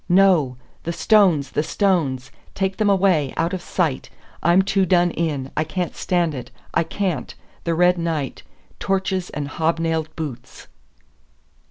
"No! The stones, the stones! Take them away out of sight! I'm too done in! I can't stand it! I can't The Red Night! Torches and hobnailed boots!"